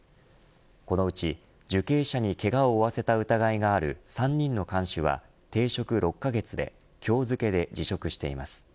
このうち受刑者にけがを負わせた疑いがある３人の看守は停職６カ月で今日付で辞職しています。